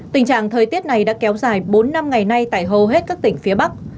tình trạng thời tiết này đã kéo dài bốn năm ngày nay tại hầu hết các tỉnh phía bắc